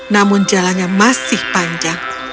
namun jalannya masih panjang